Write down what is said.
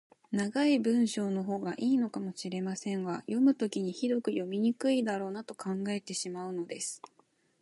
長い文章のほうが良いのかもしれませんが、読むときにひどく読みにくいだろうなと考えてしまうのです。